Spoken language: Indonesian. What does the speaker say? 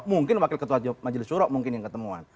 mungkin wakil ketua majelis suro mungkin yang ketemuan